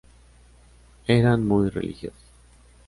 Eran muy religiosos.